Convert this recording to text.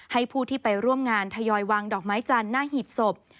ผู้ที่ไปร่วมงานทยอยวางดอกไม้จันทร์หน้าหีบศพ